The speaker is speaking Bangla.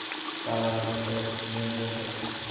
কাল আমরা সবাই শুটিং এর জন্য থাকব।